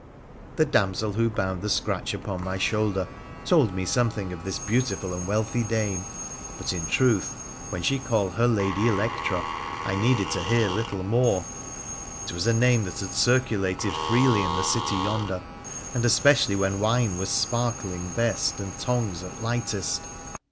The damsel who bound the scratch upon my shoulder told 46 WONDERFUL ADVENTURES OF me something of this beautiful and wealthy dame. But, in truth, when she called her Lady Electra I needed to hear little more. It was a name that had circulated freely in the city yonder, and especially when wine was sparkling best and tongues at lightest